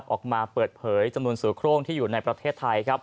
ออกมาเปิดเผยจำนวนสื่อโครงที่อยู่ในประเทศไทยครับ